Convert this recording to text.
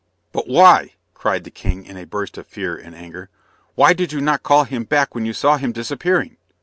"But why," cried the king in a burst of fear and anger, "why did you not call him back when you saw him disappearing?"